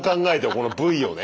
このＶをね